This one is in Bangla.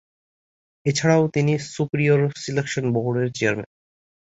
এছাড়াও তিনি সুপিরিয়র সিলেকশন বোর্ডের চেয়ারম্যান।